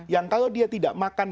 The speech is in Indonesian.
yang kalau dia tidak makan